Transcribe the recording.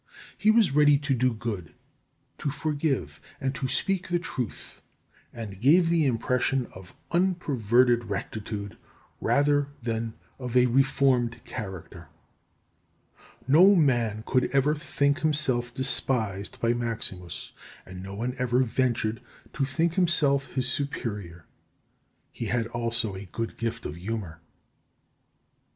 He was ready to do good, to forgive, and to speak the truth, and gave the impression of unperverted rectitude rather than of a reformed character. No man could ever think himself despised by Maximus, and no one ever ventured to think himself his superior. He had also a good gift of humour.